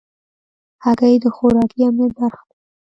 هګۍ د خوراکي امنیت برخه ده.